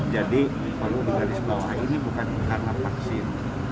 jadi kalau di garis bawah ini bukan karena vaksin